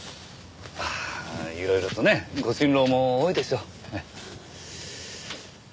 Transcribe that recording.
いろいろとねご心労も多いでしょう？